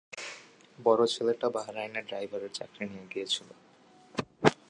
বড় ছেলেটা বাহরাইনে ড্রাইভারের চাকরি নিয়ে গিয়েছিল।